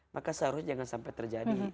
maka seharusnya jangan sampai terjadi